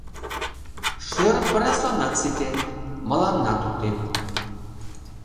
Шӧр пырысланат ситен, мыланнат утен.